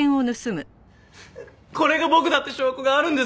これが僕だって証拠があるんですか！